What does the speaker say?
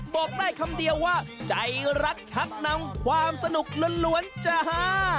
บอกได้คำเดียวว่าใจรักชักนำความสนุกล้วนจ้าฮา